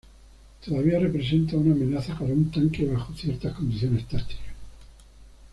Todavía representan una amenaza para un tanque bajo ciertas condiciones tácticas.